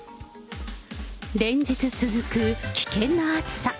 連日続く危険な暑さ。